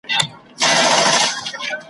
زما له مخي دوې مچکي واخلي بیره ځغلي `